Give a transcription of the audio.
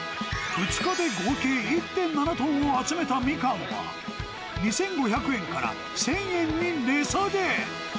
２日で合計１．７トンを集めたミカンは、２５００円から１０００円に値下げ。